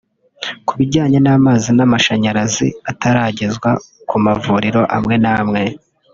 Ku bijyanye n’amazi n’amashanyarazi ataragezwa ku mavuriro amwe n’amwe